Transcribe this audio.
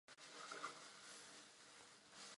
Od přítomnosti mnichů také osada získala svůj název.